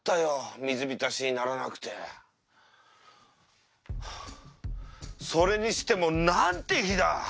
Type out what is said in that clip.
水浸しにならなくてそれにしても何て日だ！